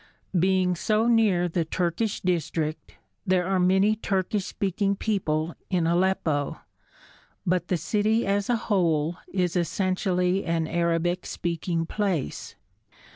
Being so near the Turkish district, there are many Turkish speaking people in Aleppo, but the city as a whole is essentially an Arabic speaking place.